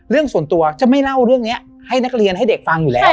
เรื่องส่วนตัวจะไม่เล่าเรื่องนี้ให้นักเรียนให้เด็กฟังอยู่แล้ว